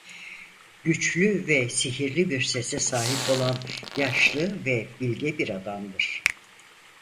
Güçlü ve sihirli bir sese sahip olan yaşlı ve bilge bir adamdır.